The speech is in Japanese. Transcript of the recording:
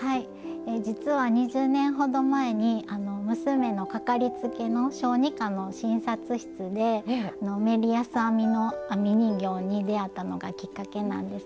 実は２０年ほど前に娘の掛かりつけの小児科の診察室でメリヤス編みの編み人形に出会ったのがきっかけなんですね。